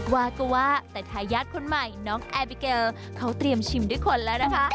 ว่าก็ว่าแต่ทายาทคนใหม่น้องแอร์บิเกลเขาเตรียมชิมด้วยคนแล้วนะคะ